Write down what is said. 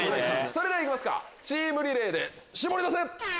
それでは行きますかチームリレーでシボリダセ！